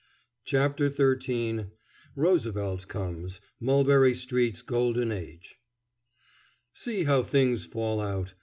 CHAPTER XIII ROOSEVELT COMES MULBERRY STREET'S GOLDEN AGE See now how things fall out.